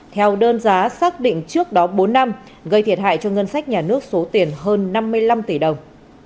theo đơn giá xác định trước đó bốn năm gây thiệt hại cho ngân sách nhà nước số tiền hơn năm mươi năm tỷ đồng